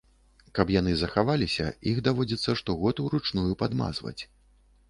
Каб яны захаваліся, іх даводзіцца штогод уручную падмазваць.